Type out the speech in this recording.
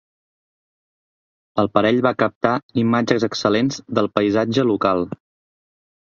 El parell va captar imatges excel·lents del paisatge local.